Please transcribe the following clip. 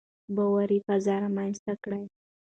باور فضا رامنځته کړئ.